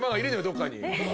どっかに。